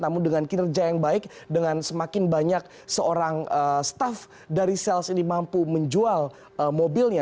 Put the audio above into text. namun dengan kinerja yang baik dengan semakin banyak seorang staff dari sales ini mampu menjual mobilnya